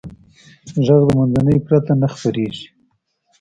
غږ د منځنۍ پرته نه خپرېږي.